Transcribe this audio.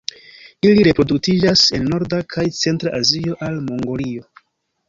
Ili reproduktiĝas en norda kaj centra Azio al Mongolio.